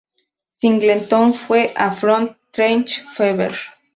Singleton se fue a front Trench Fever.